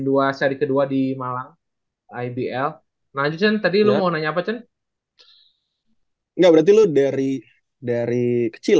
hai saya kedua di malang ibl lanjutkan tadi lu mau nanya apa cun enggak berarti lu dari dari kecil